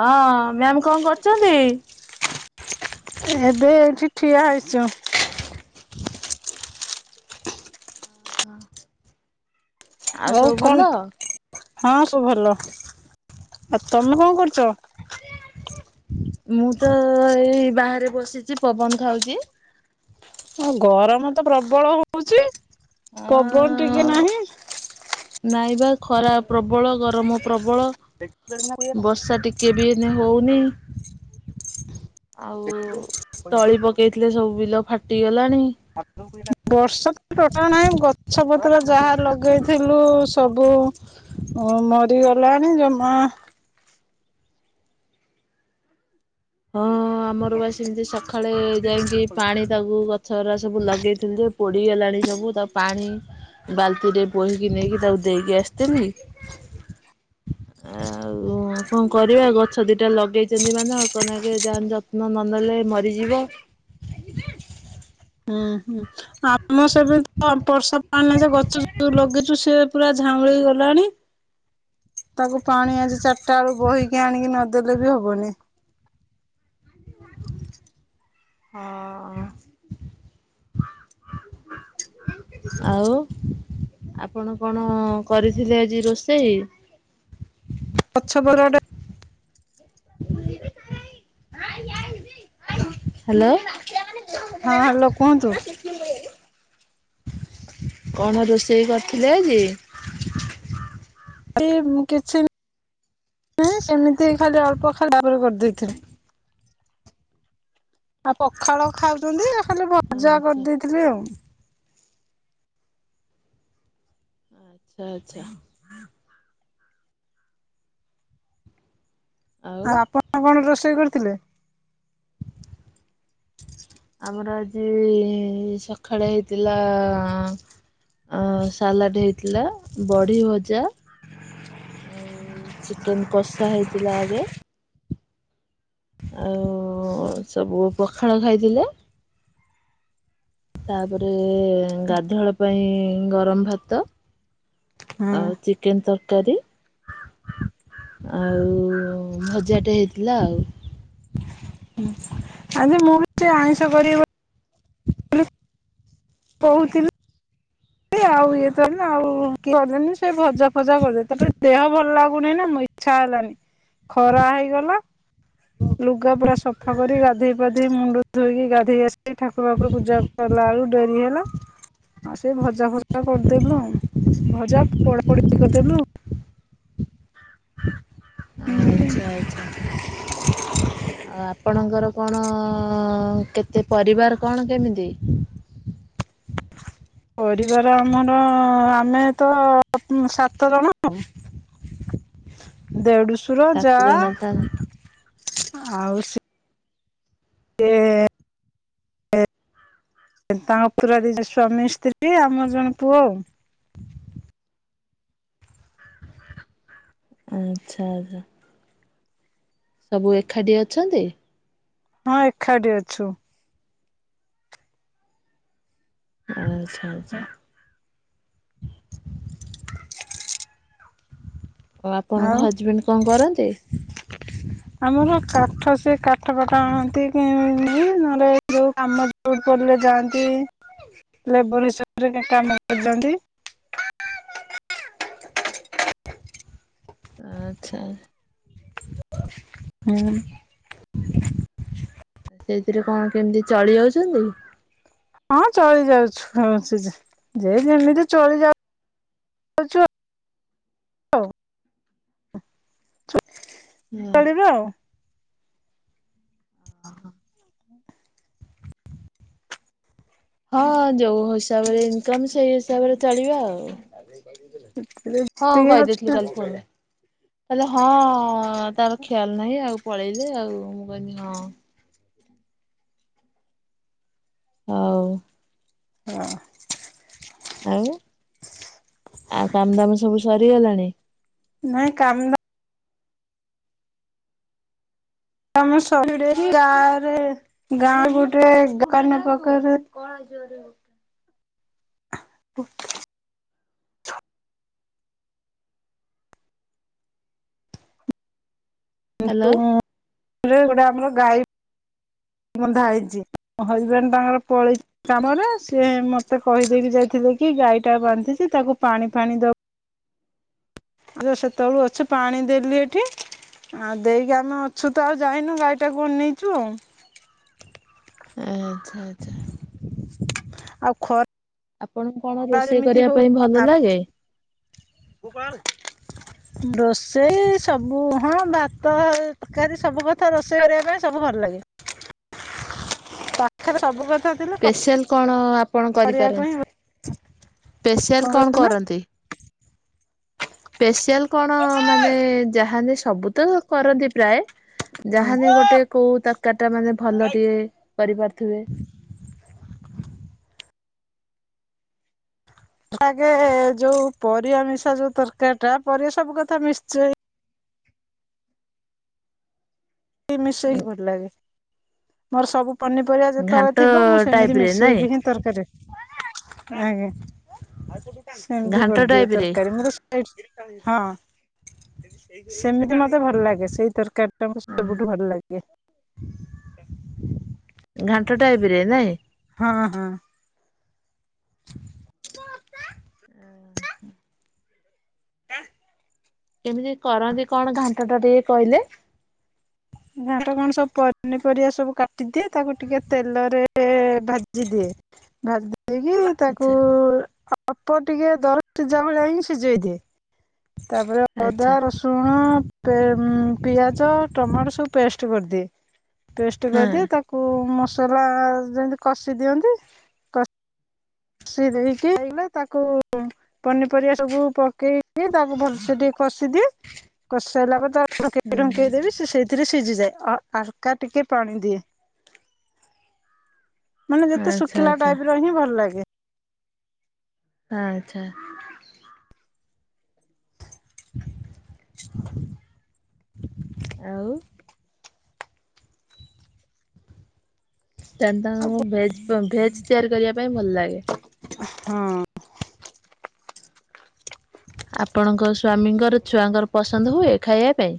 ହଁ ମ୍ୟାମ କଣଁ କରୁଚନ୍ତି? ଏବେ ଏଇଠି ଠିଆ ହେଇଚୁ। ଅ ହ ଆଉ ସବୁ ଭଲ। ହଁ ସବୁ ଭଲ ଆଉ ତମେ କଣ କରୁଚ? ମୁଁ ତ ଏଇ ବାହାରେ ବସିଚି ପବନ ଖାଉଚି। ହଁ ଗରମ ତ ପ୍ରବଳ ହଉଚି ଆ ପବନ ଟିକେ ନାହିଁ। ନାଇବା ଖରା ପ୍ରବଳ ଗରମ। ପ୍ରବଳ ବର୍ଷା ଟିକିଏ ବି ଏଇନେ ହଉନି। [inaudible] ଆଉ ତଳି ପକେଇଥିଲେ ସବୁ ବିଲ ଫାଟି ଗଲାଣି। ବର୍ଷା ତ ଟୋଟାଲ ନାଇଁ ଆମ ଗଛ ବୁଛ। ଯାହା ଲଗେଇଥିଲୁ ସବୁ ଅ ମରିଗଲାଣି ଜମା। ହଁ ଆମର ବା ସେମିତି ସ ଖାଳେ ଯାଇକି ପାଣି ତାକୁ ଗଛରା ସବୁ ଲଗେଇଥିଲୁ ଯୋଉ ପୋଡ଼ିଗଲାଣି ସବୁ ତାକୁ ପାଣି ବାଲଟି ରେ ବୋହିକି ନେଇକି ତାକୁ ଦେଇକି ଆସିଥିଲି। [inaudible] ଏଁ ଆଉ କଣଁ କରିବା ଗଛ ଦିଟା ଲଗେଇଚନ୍ତି ମାନେ ଆଉ ଯେ ଯାଏଁ ଯତ୍ନ ନ ନେଲେ ମରିଯିବ। ହୁଁ ହୁଁ ଆମର ସେମିତି ବା ବର୍ଷା ପାଣି ନାଇ ଯେ ଗଛ ଯୋଉ ଲଗେଇଚୁ ସେ ପୁରା ଝା ଉଁଳି ଗଲାଣି। [inaudible] ତାକୁ ପାଣି ଆଜି ଚାରଟା ବେଳୁକୁ ବୋହିକି ଆଣିକି ନଦେଲେ ବି ହବନି। ହଁ। ଆଉ? ଆପଣ କଣ କରିଥିଲେ ଆଜି ରୋଷେଇ? ସଚ୍ଛବରଡ ହାଲୋ। ହଁ ହାଲୋ କୁହନ୍ତୁ? କଣ ରୋଷେଇ କରିଥିଲେ ଆଜି? ଏ ମୁ କିଛି ସେମିତି ଖାଲି ଅଳ୍ପ ଖାଲି ବାବରେ କରିଦେଇଥଲି। [inaudible] ଆଉ ପଖାଳ ଖାଉଚନ୍ତି ଖାଲି ଭଜା ଆଚ୍ଛା କରିଦେଇଥିଲି ଆଉ। ଆଚଛା ଆଚ୍ଛା। ଆଉ ଆପଣ କଣ ରୋଷେଇ କରିଥିଲେ? ଆମର ଆଜି ସକାଳେ ହେଇ ଥିଲା ଅ ସାଲାଡ ହେଇଥିଲା ବଢି ଭଜା। ଆଉ ଚିକେନ କଷା ହେଇଥିଲା ଆଗେ। ଆଉ ସବୁ ପଖାଳ ଖାଇଥିଲେ। ତାପରେ ଗାଧୁଆଳ ପାଇଁ ଗରମ ଭାତ। ହୁଁ ଆଉ ଚିକେନ ତର କାରୀ ଆଉ ଭଜା ଟେ ହେଇଥିଲା ଆଉ ଆଜି ମୁଁ ବି ସେ ଆଇଁଷ କରିବି କହୁଥିଲି। ସେ ଆଉ ଇଏ ତ ଆଉ [unintelligible] ସେ ଭଜା ଫଜା କରିଦେ ତାପରେ ଦେହ ଭଲ ଲାଗୁନି ନାଇ ଇଛା ହେଲାନି ଖରା ହେଇଗଲା ଲୁଗା ପୁରା ସଫା କରି ଗାଧୋଇ ପଧ ଇ ମୁଣ୍ଡ ଧୋଇକି ଗାଧେଇ ଆସିକି ଠାକୁର ପାଖରୁ ପୂଜା କଲା ଆଳ କୁ ଡେରି ହେଲା ଆଉ ସେ ଭ ଭଜା ଭଜା କରିଦେଲୁ ଭଜା ପୋଡ଼ା ପୋଡ଼ି କରିଦେଲୁ। ଏମିତି। ଆଚଛା ଆଚଛା ଆଉ ଆ ଆପଣଙ୍କର କଣ କେତେ ପରିବାର କଣ କେମିତି? ପରିବାର ଆମର ଆମେ ତ ସାତ ଜଣ ଆଉ। [inaudible] ଦେଢୁଶୁର ସାତ ଯା ଜଣ ତାହେଲେ ଆଉ ସେ ସେ [inaudible] ତାଙ୍କ ପୁରା ଦି ଜଣ ସ୍ୱାମୀ ସ୍ତ୍ରୀ ଆମର ଜଣେ ପୁଅ ଆଉ। ଆଚଛା ଆଚ୍ଛା। ସବୁ ଏକାଠି ଅଛନ୍ତି? ହଁ ଏକାଠି ଅଛୁ। ଆଚ୍ଛା ଆଚଛା। ଆ ଆପଣଙ୍କ ଆଉ ହଜବେଣ୍ଡ କଣ କରନ୍ତି? ଆମର କାଠ ସେ କାଠ ପାଠ ଆଣନ୍ତି କି ନହେଲେ ଯୋଉ କାମ ଯଉଠି ପଡ଼ିଲେ ଆ ଯାଆନ୍ତି ଲେବର ହିସାବରେ କାମ କରିଦିଅନ୍ତି। [inaudible] ଆଚ୍ଛା। ହୁଁ। ସେଇଥିରେ କଣ କେମତି ଚଳି ଯାଉଚନ୍ତି? ହଁ ଚଳି ଯାଉଚୁ [unintelligible] ଯେ ଯେମିତି ଚଳି ଯାଉ ଆଉଛୋ ଓ କଳର ଆଉ ହଁ। ହଁ ଯୋଉ ହିସାବରେ ଇନକମ ସେଇ ହିସାବରେ ଚଳିବା ଆଉ। ହଁ ଯେତିକି କହିଦେଇଥିଲି ଅଛି କାଲି ଫୋନରେ କହିଲେ ହଁ ତାର ଖିୟାଲ ନାହିଁ ଆଉ। ପଳେଇଲେ ଆଉ ମୁଁଁ କହିଲି ହଁ। ଆଉ। ହଁ। ଆଉ ଆଉ କାମ ଦାମ ସବୁ ସରିଗଲାଣି? ନାଇଁ କାମ ତମେ ସପ୍ତାହରେ ଗା ରେ ଗାଁ ଗୋଟେ ଦୋକାନ ପାଖରେ [inaudible] [unintelligible] ହ୍ୟାଲୋ। [unintelligible] ଗୋଟେ ଆମର ଗାଈ‌। [inaudible] ବନ୍ଧା ହେଇଚି ହଜବେଣ୍ଡ ତାଙ୍କର ପଳେଇଚନ୍ତି କାମରେ ସିଏ ମୋତେ କହିଦେଇକି ଯାଇଥିଲେ କି? ଗାଈ ଟା ବାନ୍ଧିଛି ତାକୁ ପାଣି ଫାଣି ଦବୁ। ଆଚ୍ଛା ସେତେବେଳୁ ଅଛି ପାଣି ଦେଲି ଏଠି। ଆଉ ଦେଇକି ଆମେ ଅଛୁ ତ ଆଉ ଯାଇନୁ। ଗାଈଟାକୁ ଅନେଇଛୁ ଆଉ। ଆଚ୍ଛା ଆଚ୍ଛା। ଆଉ ଖର୍ ଆପଣଙ୍କୁ କଣ ରୋଷେଇ କରିବା ପାଇଁ ଭଲ ଲାଗେ? [unintelligible] ରୋଷେଇ ସବୁ ହଁ ଭାତ ତରକାରୀ ସବୁ କଥା ରୋଷେଇ କରିବା ପାଇଁ ସବୁ ଭଲ ଲାଗେ। [inaudible] ପାଖେରେ ସବୁ କଥା ଥିଲେ କ ସ୍ପେଶାଲ କଣ ଆପ କରିବା ପାଇଁ ଆଉ। ସ୍ପେସିଆଲ୍ କଣ କରନ୍ତି? ସ୍ପେସିଆଲ୍ କଣ ମାନେ ଯାହାବି ସବୁ ତ କରନ୍ତି ପ୍ରାୟେ। ହଁ ଯାହାବି ଗୋଟେ କୋଉ ତରକାରୀ ଟା ମାନେ ଭଲ ଟିକେ କରି ପାରୁଥିବେ? [inaudible] ଆଗେ ଯୋଉ ପରିବା ମିଶା ଯୋଉ ତରକାରୀ ଟା ପରିବା ସବୁ କଥା ମିଶ୍ଚି। ମିଶେଇକି ଭଲ ଲାଗେ। ମୋର ସବୁ ପନିପରିବା ଯେତେବେଳେ ଘାଣ୍ଟ ଥିବ ମୁଁ ଟାଇପ ସେମିତି ରେ ନାଇଁ ମିଶେଇକି ହିଁ ତରକାରୀ। ଆଜ୍ଞା ସେମତିି ଘାଣ୍ଟ କରିଦିଏ ଟାଇପ ରେ ତରକାରି ମୁଁ ତ ସେଇଠୀ ହଁ। [inaudible] ସେମିତି ମତେ ଭଲ ଲାଗେ। ସେଇ ତରକାରୀ ଟା ମତେ ସବୁଠୁ ଭଲ ଲାଗେ। ଘାଣ୍ଟ ଟାଇପ୍ ରେ ନାଇଁ? ହଁ ହଁ। ଆଁ। କେମିତି କରନ୍ତି କଣ ଘାଣ୍ଟଟା ଟିକେ କହିଲେ? ଘାଣ୍ଟ କଣ ସବୁ ପନିପରିବା ସବୁ କାଟିଦିଏ। ତାକୁ ଟିକେ ତେଲରେ ଭାଜିଦିଏ। [unintelligible] ଦେଇକି ତାକୁ ଆଚ୍ଛା ଅଳ୍ପ ଟିକେ ଦର ସିଝା ଭଳିଆ ହିଁ ସିଯେଇଦିଏ। ତାପରେ ଅଦା ଆଚ୍ଛା ରସୁଣ ପିଆଜ ଟମାଟୋ ସବୁ ପେଷ୍ଟ୍ କରିଦିଏ। ପେଷ୍ଟ୍ ହଁ। କରିଦିଏ ତାକୁ ମସ ଯେଏନ୍ତି କଷି ଦିଅନ୍ତି। କଷି ଦେଇକି ତାକୁ କୁ ପନିପରିବା ସବୁ‌ ପକେଇ କି ତାକୁ ଭଲସେ ଟିକେ କସି ଦିଏ କସି। ଦେଲାପରେ ତାକୁ [unintelligible] ସେଥିରେ ସିଝିଯାଏ। ଅ ହାଲ୍କା ଟିକେ ପାଣି ଦିଏ। ମାନେ ଯେତେ ଆଚ୍ଛା ଶୁଖିଲା ଆଚ୍ଛା ଟାଇପ୍ ର ହିଁ ଭଲ ଲାଗେ। ଆଚ୍ଛା। ଆଉ। ତାହେଲେ ତାଙ୍କୁ ଭେଜ ଭେଜ ତିଆରି କରିବା ପାଇଁ ଭଲ ଲାଗେ। ହଁ। ଆପଣଙ୍କ ସ୍ୱାମୀଙ୍କର ଛୁଆଙ୍କର ପସନ୍ଦ ହୁଏ ଖାଇବା ପାଇଁ।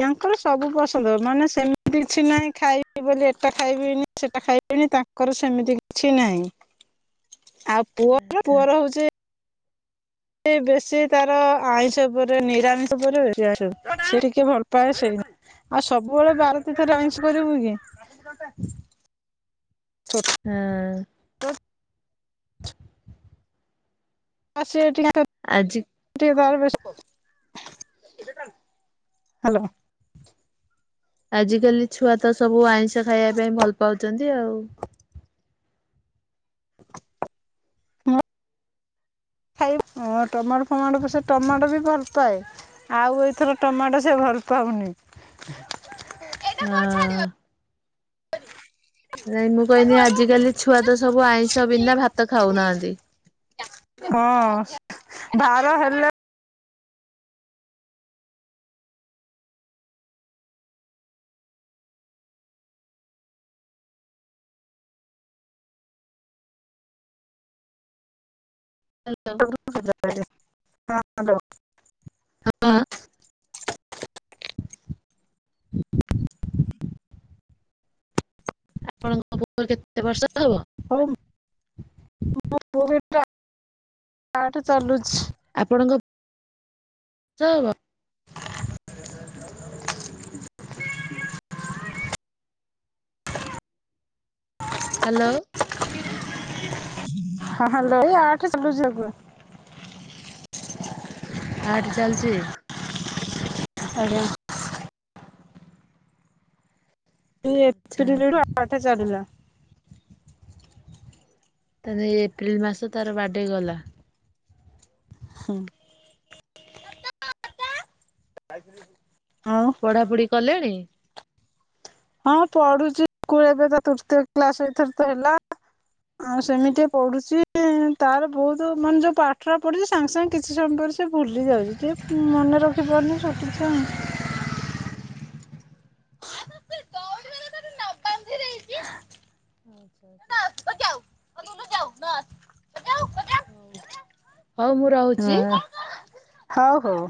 ୟାଙ୍କର ସବୁ ପସନ୍ଦ ମାନେ ସେମିତି କିଛି ନାହିଁ ଖାଇବି ବୋଲି ଏଟା ଖାଇବିନି ସେଟା ଖାଇବି। [unintelligible] ତାଙ୍କର ସେମିତି କିଛି ନାହିଁ। ଆଉ ପୁଅର ଆଚ୍ଛା ପୁଅର ହଉଛି ସେ ବେଶୀ ତାର ଆଇଁଷ ଉପରେ ନିରାମିଷ ଉପରେ ବେଶୀ ଆ ସେ ଟିକେ ଭଲ ପାାଏ ସେଇ। ଆଉ ସବୁବେଳେ ବାରତୀର୍ଥରେ ଆଇଁଷ କରିବୁ କି? ଛୋଟ ହଁ। ଅ, ସିଏ ଏଠି କାଇଁ ଆଜି। ସେ ତାର ବେଶପ ହ୍ୟାଲୋ। ଆଜିକାଲି ଛୁଆ ତ ସବୁ ଆଇଁଷ ଖାଇବା ପାଇଁ ଭଲ ପାଉଚନ୍ତି ଆଉ। ହଁ। [unintelligible] ଖାଇ ଅର ଟମାଟୋ ଫମାଟୋ କୁ ସେ ଟମାଟୋ ବି ଭଲ ପାଏ। ଆଉ ଏଇଥର ଟମାଟୋ ସେ ଭଲ ପାଉନି ହଁ। ନାଇଁ ମୁଁ କହିନି ଆଜିକାଲି ଛୁଆ ତ ସବୁ ଆଇଁଷ ବିନା ଭାତ ଖାଉନାହାନ୍ତି। ହଁ ଭାର ହେଲେ ହ୍ୟାଲୋ ହଁ ହ୍ୟାଲୋ। ହଁ। ଆପଣଙ୍କ ପୁଅକୁ କେତେ ବର୍ଷ। ହବ ହଉ ମୋ ପୁଅ କୁ ଏବେ ଆଠେ ଚାଲୁଛି। ଆପଣଙ୍କ। ଚଳିବ। [inaudible] ହ୍ୟାଲୋ। ହଁ ହ୍ୟାଲୋ ଏ ଆଠ ଚାଲୁଛି ଆକୁବା। ଆଠ ଚାଲଚି। ଆଜ୍ଞା। ଆଚ୍ଛା ଏପ୍ରିଲ ନୁ ଆଚ୍ଛା ଆଠା ଚାଲୁଥିଲା [unintelligible] ତାହେଲେ ଏପ୍ରିଲ ମାସ ତାର ବାର୍ଡେ ଗଲା। ହଁ [unintelligible] ଯାଇଥିଲି [unintelligible] ପଢା ପଢି କଲେଣି? ହଁ ପଢୁଛି ସ୍କୁଲ ଏବେ ତା ତୃତୀୟ କ୍ଲାସ ଏଥର ତ ହେଲା ଆଉ ସେମିତି ପଢୁଛି, ତାର ବହୁତ ମାନେ ଯୋଉ ପାଠଟା ପଢୁଛି ସାଙ୍ଗେ ସାଙ୍ଗେ କିଛି ସମୟ ପରେ ସେ ଭୁଲି ଯାଉଛି, ଟିକେ ମନେ ରଖି ପାରୁନି ଛୋଟ ଛୁଆ। ଆଚ୍ଛା ଆଚ୍ଛା ହଉ, ହଉ ମୁଁ ରହୁଛି। ହୁଁ ହଉ ହଉ।